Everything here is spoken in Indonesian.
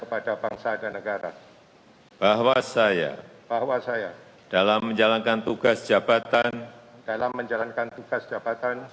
kepada bangsa dan negara bahwa saya dalam menjalankan tugas jabatan